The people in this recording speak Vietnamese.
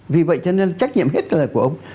vì vậy cho nên là trách nhiệm hết là của ông